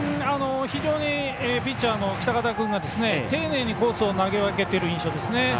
非常にピッチャーの北方君が丁寧にコースを投げ分けている印象ですね。